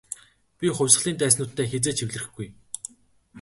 Би хувьсгалын дайснуудтай хэзээ ч эвлэрэхгүй.